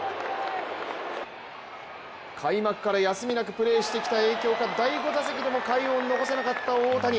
開幕から休みなくプレーしてきた影響か第５打席でも快音を残せなかった大谷。